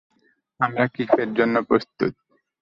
আমরা কিফের জন্য প্রস্তুত।